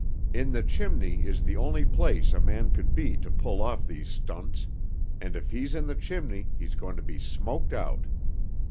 "In the chimney is the only place a man could be to pull off these stunts, and if he's in the chimney he's going to be smoked out!"